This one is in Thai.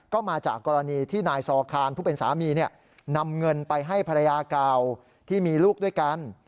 ก็มาจากกรณีที่นายซอคารผู้เป็นสามีนำเงินไปให้ภรรยาเก่าที่มีลูกด้วยกัน